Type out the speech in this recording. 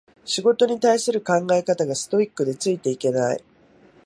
仕事に対する考え方がストイックでついていけない